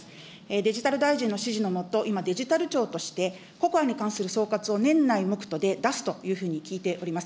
デジタル大臣の指示の下、今、デジタル庁としてＣＯＣＯＡに関する総括を年内に目途で出すというふうに聞いております。